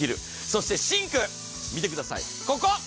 そしてシンク、見てください、ここ！